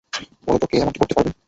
বল তো কে এমনটি করতে পারবে?